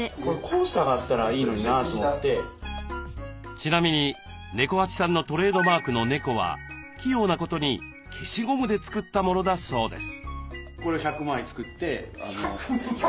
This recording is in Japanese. ちなみに猫八さんのトレードマークの猫は器用なことに消しゴムで作ったものだそうです。